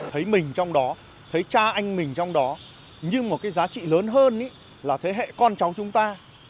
thấy mình trong đó thấy cha anh mình trong đó nhưng một cái giá trị lớn hơn là thế hệ con cháu chúng ta